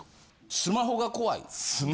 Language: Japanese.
スマホが怖い。